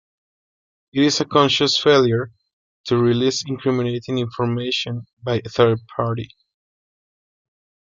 It is the conscious failure to release incriminating information by a third party.